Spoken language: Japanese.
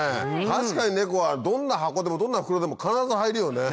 確かにネコはどんな箱でもどんな袋でも必ず入るよね。